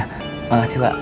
ya makasih mbak